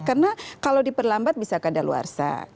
karena kalau diperlambat bisa keadaan luar saha